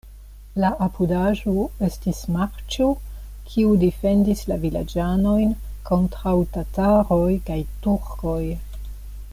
La apudaĵo estis marĉo, kiu defendis la vilaĝanojn kontraŭ tataroj kaj turkoj.